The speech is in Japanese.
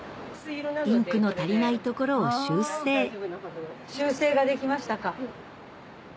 インクの足りない所を修正修正ができましたか。